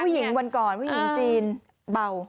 ผู้หญิงวันก่อนผู้หญิงจีนเบา